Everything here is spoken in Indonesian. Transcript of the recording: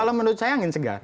kalau menurut saya angin segar